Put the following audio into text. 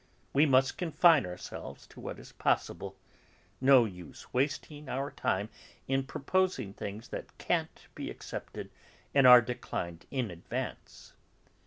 We must confine ourselves to what is possible; no use wasting our time in proposing things that can't be accepted and are declined in advance."